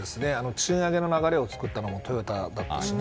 賃上げの流れを作ったのもトヨタだったしね。